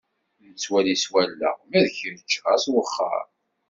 Nettwali s wallaɣ, ma d kečč ɣas wexxeṛ.